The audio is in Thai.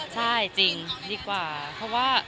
ใช่จริงดีกว่าเพราะว่า